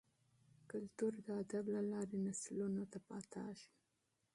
فرهنګ د ادب له لاري نسلونو ته لېږدېږي.